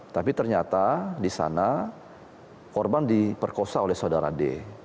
tapi ternyata di sana korban diperkosa oleh saudara d